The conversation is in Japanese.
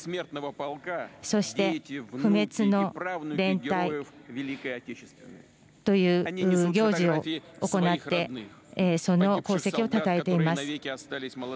そして不滅の連隊という行事を行ってその功績をたたえています。